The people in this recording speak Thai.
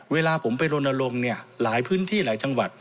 เวลาผมไปรนรงหลายพื้นที่หลายจังหวัด